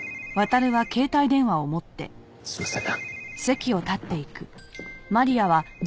すみません。